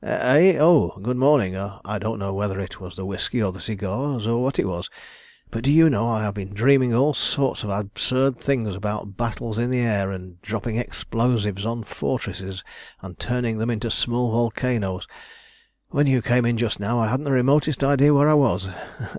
"Eh? Oh, good morning! I don't know whether it was the whisky or the cigars, or what it was; but do you know I have been dreaming all sorts of absurd things about battles in the air and dropping explosives on fortresses and turning them into small volcanoes. When you came in just now I hadn't the remotest idea where I was.